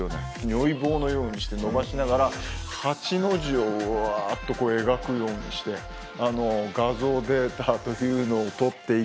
如意棒のようにして伸ばしながら８の字をうわっと描くようにして画像データというのをとっていき